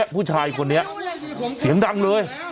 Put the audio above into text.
ผู้ชายคนนี้เสียงดังเลย